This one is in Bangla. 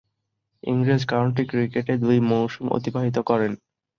ইংরেজ কাউন্টি ক্রিকেটে দুই মৌসুম অতিবাহিত করেন।